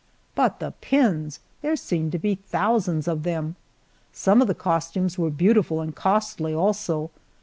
But the pins! There seemed to be thousands of them. Some of the costumes were beautiful and costly, also.